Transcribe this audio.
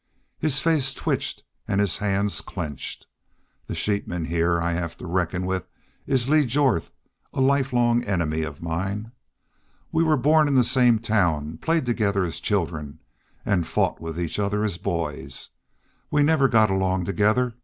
His face twitched and his hands clenched. "The sheepman heah I have to reckon with is Lee Jorth, a lifelong enemy of mine. We were born in the same town, played together as children, an' fought with each other as boys. We never got along together.